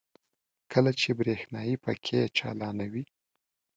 کله چې برېښنايي پکې چالانوي.